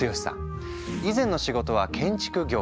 以前の仕事は建築業界。